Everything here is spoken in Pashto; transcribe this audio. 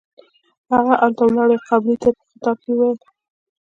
هغې هلته ولاړې قابلې ته په خطاب وويل.